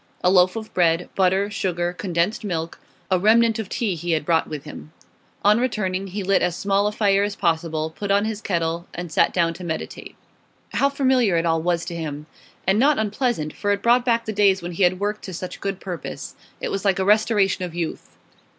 A loaf of bread, butter, sugar, condensed milk; a remnant of tea he had brought with him. On returning, he lit as small a fire as possible, put on his kettle, and sat down to meditate. How familiar it all was to him! And not unpleasant, for it brought back the days when he had worked to such good purpose. It was like a restoration of youth.